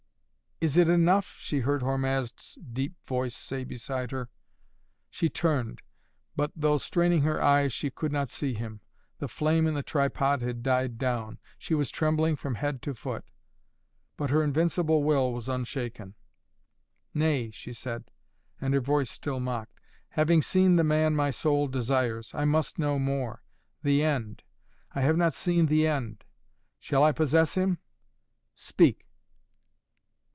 "Is it enough?" she heard Hormazd's deep voice say beside her. She turned, but, though straining her eyes, she could not see him. The flame in the tripod had died down. She was trembling from head to foot. But her invincible will was unshaken. "Nay," she said, and her voice still mocked. "Having seen the man my soul desires, I must know more. The end! I have not seen the end! Shall I possess him? Speak!"